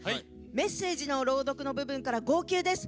「メッセージの朗読の部分から号泣です。